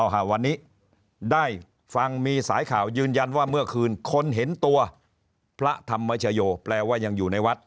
วันนี้ได้ฟังมีสายข่าวยืนยันว่าเมื่อคืนคนเห็นตัวพระธรรมชโยแปลว่ายังอยู่ในวัด